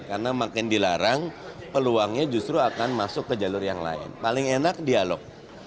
karena makin dilarang peluangnya justru akan masuk ke jalur yang lain paling enak dialog